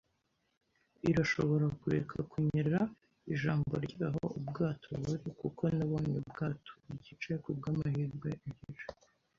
irashobora kureka kunyerera ijambo ryaho ubwato buri, kuko nabonye ubwato, igice kubwamahirwe igice